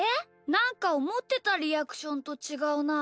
なんかおもってたリアクションとちがうな。